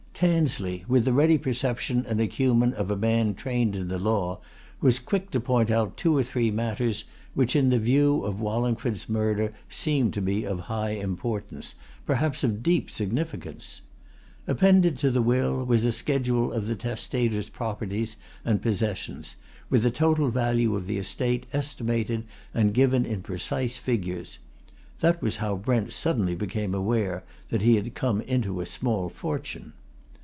Tansley, with the ready perception and acumen of a man trained in the law, was quick to point out two or three matters which in view of Wallingford's murder seemed to be of high importance, perhaps of deep significance. Appended to the will was a schedule of the testator's properties and possessions, with the total value of the estate estimated and given in precise figures that was how Brent suddenly became aware that he had come into a small fortune.